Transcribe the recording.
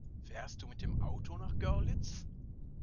Fährst du mit dem Auto nach Görlitz?